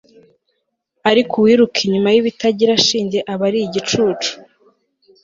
ariko uwiruka inyuma y'ibitagira shinge aba ari igicucu